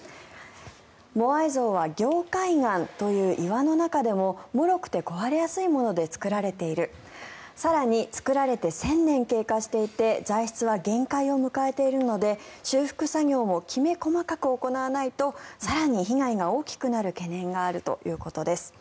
モアイ像は凝灰岩という岩の中でももろくて壊れやすいもので造られている更に造られて１０００年経過していて材質は限界を迎えているので修復作業もきめ細かく行わないと更に被害が大きくなる懸念があるということです。